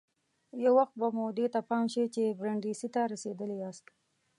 یو وخت به مو دې ته پام شي چې برېنډېسي ته رسېدلي یاست.